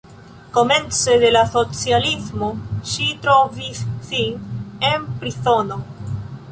Komence de la socialismo ŝi trovis sin en prizono.